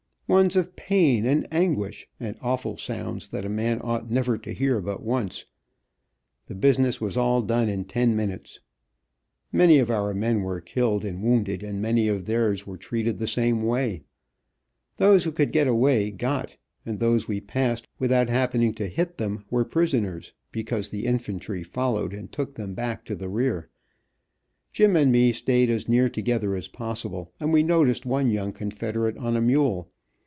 Ones of pain and anguish, and awful sounds that a man ought never to hear but once. The business was all done in ten minutes. Many of our men were killed and wounded, and many of theirs were treated the same way. Those who could get away, got, and those we passed without happening to hit them, were prisoners, because the infantry followed and took them back to the rear. Jim and me stayed as near together as possible, and we noticed one young Confederate on a mule.